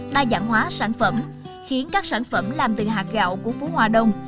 đa dạng hóa sản phẩm khiến các sản phẩm làm từ hạt gạo của phú hòa đông